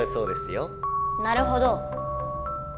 なるほど。